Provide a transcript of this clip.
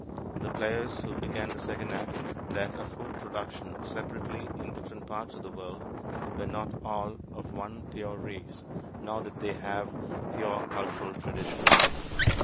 The players who began the second act that of food production separately, in different parts of the world, were not all of one "pure race" nor did they have "pure" cultural traditions.